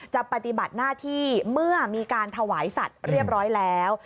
ปฏิบัติหน้าที่เมื่อมีการถวายสัตว์เรียบร้อยแล้ว